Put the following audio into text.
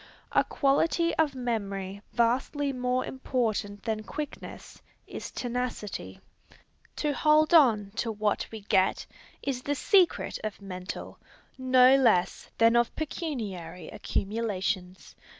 A quality of memory vastly more important than quickness, is tenacity. To hold on to what we get, is the secret of mental, no less than of pecuniary accumulations.